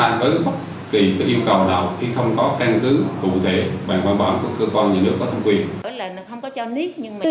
khi không có căn cứ cụ thể bằng bản bản của cơ quan gì nữa có thông quyền